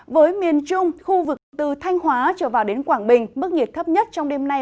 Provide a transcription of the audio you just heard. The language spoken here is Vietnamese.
với miền trung khu vực từ thanh hóa trở vào đến quảng bình mức nhiệt thấp nhất trong đêm nay